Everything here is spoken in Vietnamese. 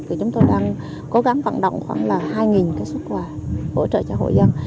thì chúng tôi đang cố gắng vận động khoảng là hai cái xuất quà hỗ trợ cho hội dân